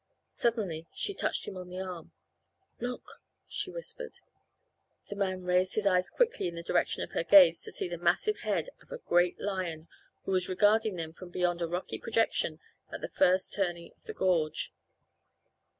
Suddenly she touched him on the arm. "Look," she whispered. The man raised his eyes quickly in the direction of her gaze to see the massive head of a great lion who was regarding them from beyond a rocky projection at the first turning of the gorge.